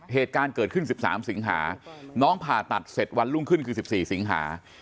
เหตุการณ์เกิดขึ้น๑๓สิงหาน้องผ่าตัดเสร็จวันรุ่งขึ้นคือ๑๔สิงหา